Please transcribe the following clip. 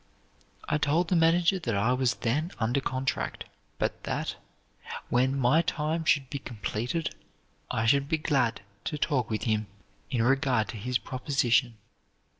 I told the manager that I was then under contract, but that, when my time should be completed, I should be glad to talk with him in regard to his proposition."